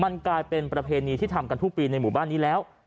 มันกลายเป็นประเพณีที่ทำกันทุกปีในหมู่บ้านนี้แล้ว